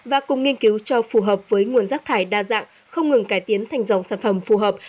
và cùng nghiên cứu cho phù hợp với nguồn rác thải đa dạng không ngừng cải tiến thành dòng sản phẩm phù hợp